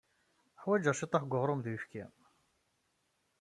Ḥwajeɣ ciṭṭaḥ n uɣrum d uyefki.